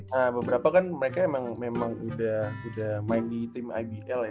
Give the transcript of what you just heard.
nah beberapa kan mereka emang udah main di tim ibl ya